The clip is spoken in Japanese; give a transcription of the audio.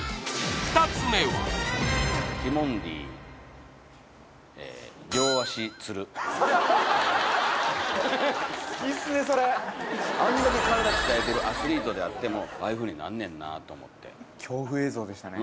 ２つ目はあんだけ体鍛えてるアスリートであってもああいうふうになんねんなと思って恐怖映像でしたね